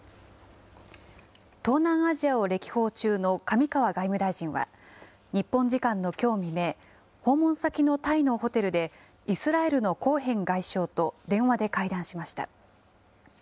東南アジアを歴訪中の上川外務大臣は、日本時間のきょう未明、訪問先のタイのホテルで、イスラエルのコーヘン外相と電話で会談しました。